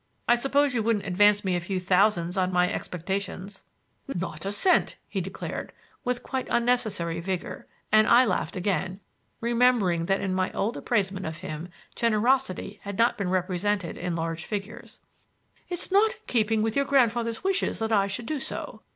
I suppose you wouldn't advance me a few thousands on my expectations—" "Not a cent," he declared, with quite unnecessary vigor; and I laughed again, remembering that in my old appraisement of him, generosity had not been represented in large figures. "It's not in keeping with your grandfather's wishes that I should do so.